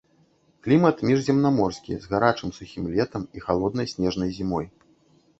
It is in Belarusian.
Клімат міжземнаморскі з гарачым сухім летам і халоднай снежнай зімой.